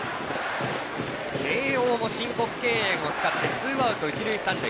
慶応も申告敬遠を使ってツーアウト、一塁三塁。